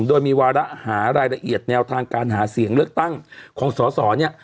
โดยมีวาระหารายละเอียดแนวทางการหาเสียงเลือกตั้งของสอสอเนี่ย